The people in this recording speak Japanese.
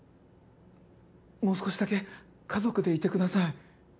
もう少しだけ家族でいてください。